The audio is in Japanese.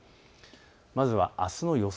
まずはあすの予想